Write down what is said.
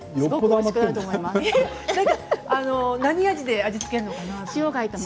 何味で味を付けるのかなと。